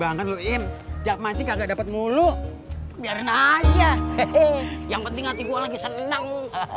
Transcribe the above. banget luim jam masih kagak dapet mulu biarin aja hehehe yang penting hati gua lagi senang